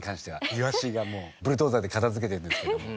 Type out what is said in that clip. イワシがもうブルドーザーで片づけてるんですけども。